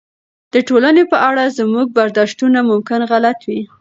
د ټولنې په اړه زموږ برداشتونه ممکن غلط وي.